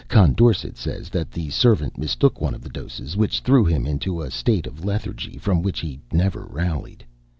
Condorcet says that the servant mistook one of the doses, which threw him into a state of lethargy, from which he never rallied.